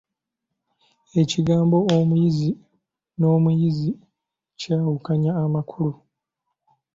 Ekigambo Omuyizzi n'omuyizi kyawukanya amakulu.